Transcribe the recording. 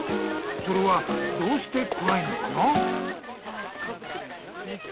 それはどうしてこわいのかな？